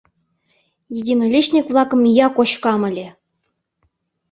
Единоличник-влакым ия кочкам ыле!